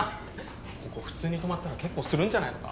ここ普通に泊まったら結構するんじゃないのか？